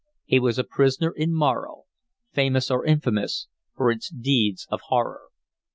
He was a prisoner in Morro, famous or infamous, for its deeds of horror.